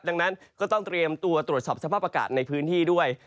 ดังนั้นก็ต้องเตรียมตัวตรวจสอบสภาพอากาศในพื้นที่ด้วย